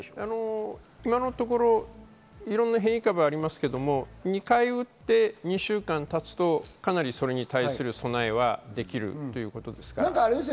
今のところいろんな変異株がありますが、２回打って２週間経つと、かなりそれに対する備えができるということです。